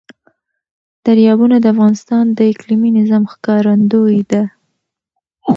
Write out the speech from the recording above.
دریابونه د افغانستان د اقلیمي نظام ښکارندوی ده.